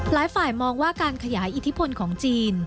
หลายฝ่ายมองว่าการขยายอิทธิพลของจีน